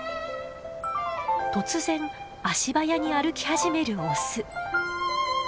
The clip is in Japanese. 突然足早に歩き始めるオス。